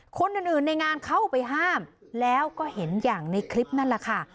คนอื่นในงานเข้าไปห้ามแล้วก็เห็นอย่างในคลิปนั่นแหละค่ะ